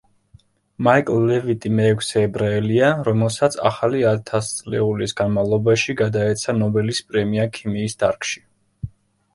მაიკლ ლევიტი მეექვსე ებრაელია, რომელსაც ახალი ათასწლეულის განმავლობაში გადაეცა ნობელის პრემია ქიმიის დარგში.